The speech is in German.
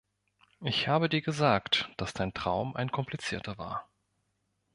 Ich habe dir gesagt, dass dein Traum ein komplizierter war.